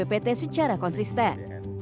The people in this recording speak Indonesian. dan diantaranya secara konsisten